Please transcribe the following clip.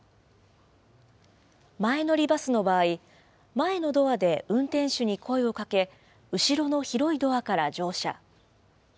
前乗りバスの場合、前のドアで運転手に声をかけ、後ろの広いドアから乗車。